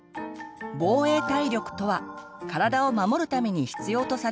「防衛体力」とは体を守るために必要とされる体力。